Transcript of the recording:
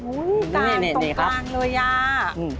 อุ๊ยตรงเลยอ่ะนี่ครับ